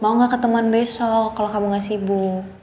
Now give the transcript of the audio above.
mau gak ketemuan besok kalau kamu gak sibuk